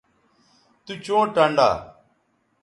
تو چوں ٹنڈا